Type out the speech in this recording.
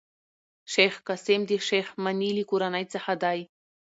شېخ قاسم د شېخ مني له کورنۍ څخه دﺉ.